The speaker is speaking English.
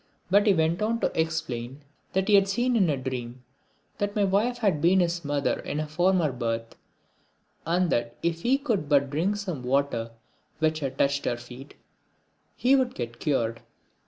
But he went on to explain that he had seen in a dream that my wife had been his mother in a former birth, and that if he could but drink some water which had touched her feet he would get cured.